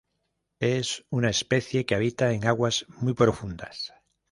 Es una especie que habita en aguas muy profundas.